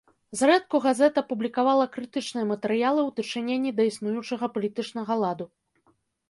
Зрэдку газета публікавала крытычныя матэрыялы ў дачыненні да існуючага палітычнага ладу.